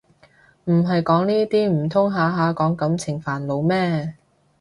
唔係講呢啲唔通下下講感情煩惱咩